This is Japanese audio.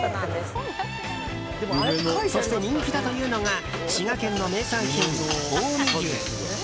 そして、人気だというのが滋賀県の名産品、近江牛。